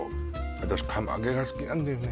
私釜揚げが好きなんだよね